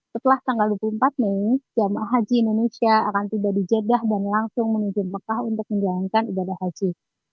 setelah tanggal dua puluh empat mei jamaah haji indonesia akan tiba di jeddah dan langsung menuju mekah untuk menjalankan ibadah haji